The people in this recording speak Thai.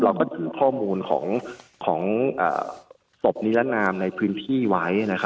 เราก็ถือข้อมูลของศพนิรนามในพื้นที่ไว้